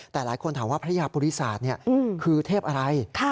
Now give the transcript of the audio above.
แต่หลายคนถามว่าพระยาปุริศาสตร์คือเทพอะไร